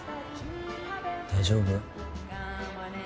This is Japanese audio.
大丈夫？